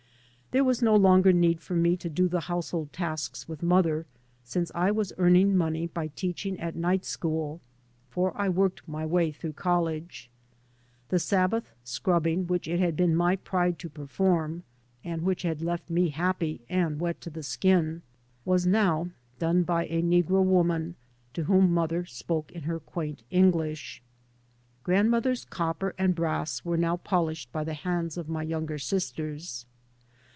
There was no longer need for me to do the household tasks with mother, since I was earning money by teaching at night school (for X worked my way through col lege). The Sabbath scrubbing which it had been my pride to perform, and which had left me happy, and wet to the skin, was now done by a negro woman to whom mother spoke in her quaint English. Grandmother's copper and brass were now polished by the hands of my younger sisters.